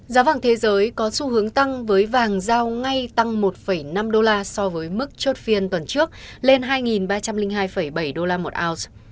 giá vàng thế giới có xu hướng tăng với vàng giao ngay tăng một năm đô la so với mức chốt phiên tuần trước lên hai ba trăm linh hai bảy đô la một ounce